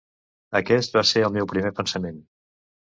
Aquest va ser el meu primer pensament.